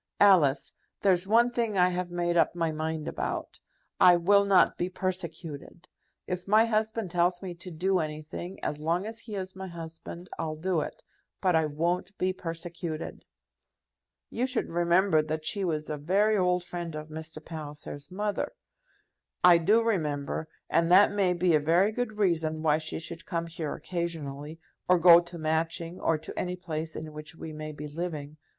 Alice, there's one thing I have made up my mind about. I will not be persecuted. If my husband tells me to do anything, as long as he is my husband I'll do it; but I won't be persecuted." "You should remember that she was a very old friend of Mr. Palliser's mother." "I do remember; and that may be a very good reason why she should come here occasionally, or go to Matching, or to any place in which we may be living.